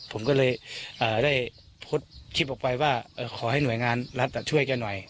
ผมก็เลยพดคลิปออกไปว่าขอให้หน่วยงานภาคกันช่วยกันหน่อย